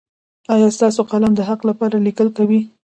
ایا ستاسو قلم د حق لپاره لیکل کوي؟